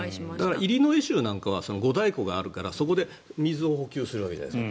イリノイ州なんかは五大湖なんかがあるからそこで水を補給するわけじゃないですか。